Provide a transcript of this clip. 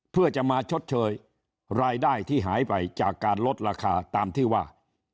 เพื่อจะมาชดเชยรายได้ที่หายไปจากการลดราคาตามที่ว่า